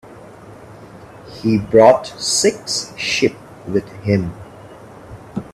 He brought six sheep with him.